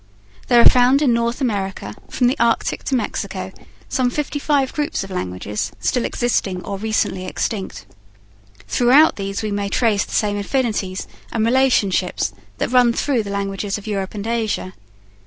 There are found in North America, from the Arctic to Mexico, some fifty five groups of languages still existing or recently extinct. Throughout these we may trace the same affinities and relationships that run through the languages of Europe and Asia.